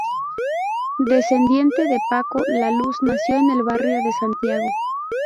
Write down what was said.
Descendiente de Paco La Luz, nació en el barrio de Santiago.